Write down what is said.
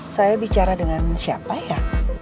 saya bicara dengan siapa ya